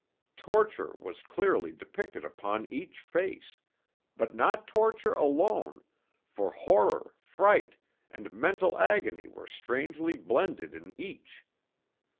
Torture was clearly depicted upon each face; but not torture alone, for horror, fright, and mental agony were strangely blended in each.